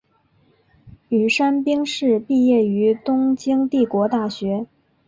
宇山兵士毕业于东京帝国大学。